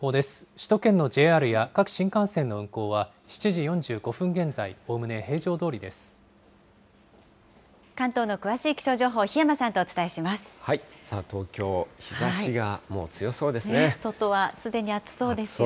首都圏のＪＲや各新幹線の運行は７時４５分現在、関東の詳しい気象情報、檜山東京、日ざしがもう強そうで外はすでに暑そうですよね。